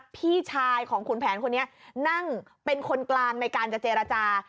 พี่ชายของขุนแผนคนนี้นั่งเป็นคนกลางในการจะเจรจา